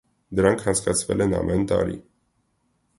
Դրանք անցկացվել են ամեն տարի։